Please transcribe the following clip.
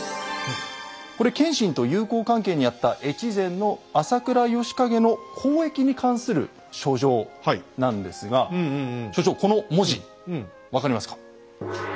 これ謙信と友好関係にあった越前の朝倉義景の交易に関する書状なんですが所長この文字分かりますか？